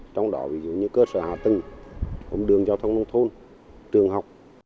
trong đó ví dụ như cơ sở hạ tầng đường giao thông nông thôn trường học